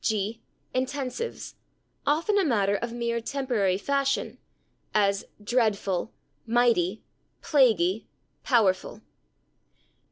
g. Intensives, "often a matter of mere temporary fashion," as /dreadful/, /mighty/, /plaguy/, /powerful